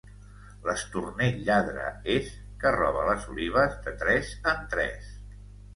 L'estornell lladre és, que roba les olives de tres en tres.